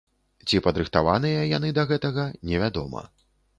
Ці падрыхтаваныя яны да гэтага, невядома.